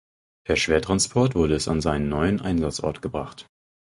Per Schwertransport wurde es an seinen neuen Einsatzort gebracht.